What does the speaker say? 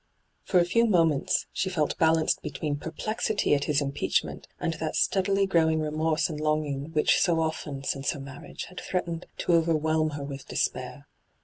For a few moments she felt balanced between perplexity at his impeachment and that steadily growing remorse and longing which so often, since her marriage, had threatened to overwhelm her with despair.